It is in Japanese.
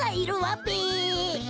べ！